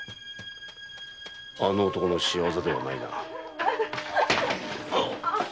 あの男の仕業ではないな。